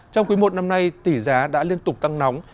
trong quý một năm nay tỷ giá đã liên tục tăng nóng